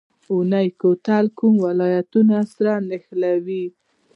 اونی کوتل کوم ولایتونه سره نښلوي؟